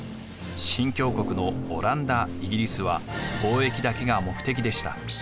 新教国のオランダ・イギリスは貿易だけが目的でした。